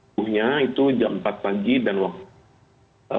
itu jam empat pagi dan waktu